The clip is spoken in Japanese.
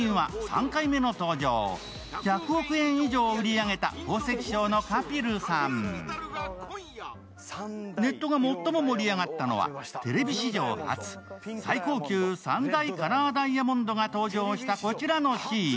そして、パンサーの尾形さんはネットが最も盛り上がったのはテレビ史上初最高級３大カラーダイヤモンドが登場したこちらのシーン。